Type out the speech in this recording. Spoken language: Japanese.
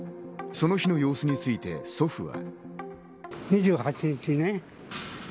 その日の様子について祖父は。